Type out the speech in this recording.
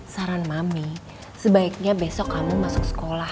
saran mami sebaiknya besok kamu masuk sekolah